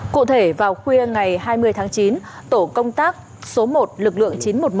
cụ thể vào khuya ngày hai mươi tháng chín tổ công tác số một lực lượng chín trăm một mươi một